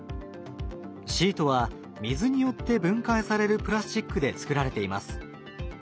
シートは水によって分解されるプラスチックで作られています。